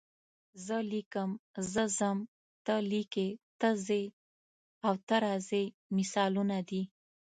زه لیکم، زه ځم، ته لیکې، ته ځې او ته راځې مثالونه دي.